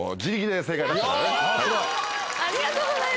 やったありがとうございます。